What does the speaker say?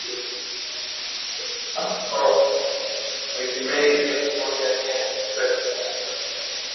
Mwezi Mei elfu moja mia tisa tisini na mbili